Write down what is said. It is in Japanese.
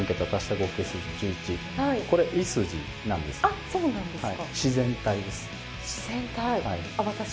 あっそうなんですか。